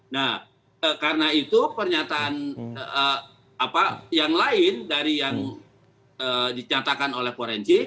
nah karena itu pernyataan yang lain dari yang dinyatakan oleh forensik